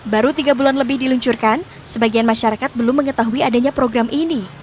baru tiga bulan lebih diluncurkan sebagian masyarakat belum mengetahui adanya program ini